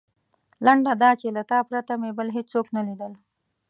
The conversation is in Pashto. لنډه دا چې له تا پرته مې بل هېڅوک نه لیدل.